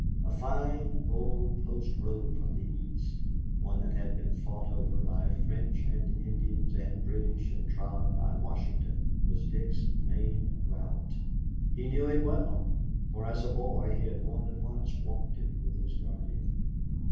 A fine, old post road from the East, one that had been fought over by French and Indians and British and trod by Washington, was Dick's main route. He knew it well, for as a boy he had more than once walked it with his guardian.